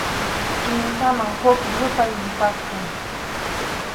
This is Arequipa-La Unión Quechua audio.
Kimsaman huk yupay yapasqa.